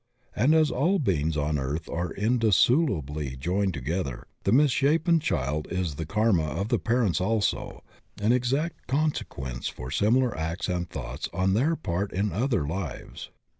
And as all beings on earth are indissolubly joined together, the misshapen child is the karma of the parents also, an exact consequence for similar acts and thoughts on their part in other lives.